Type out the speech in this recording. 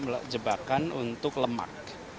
menjebakan untuk lemak